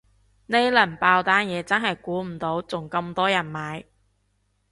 呢輪爆單嘢真係估唔到仲咁多人買